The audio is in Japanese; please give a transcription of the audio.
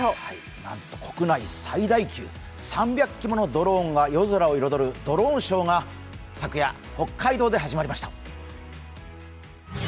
なんと国内最大級３００基ものドローンが舞うドローンショーが昨夜、北海道で始まりました。